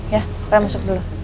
ya kalian masuk dulu